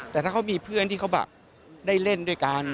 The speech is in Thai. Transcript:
แต่ถ้าเขามีเพื่อนที่เขาแบบได้เล่นด้วยกัน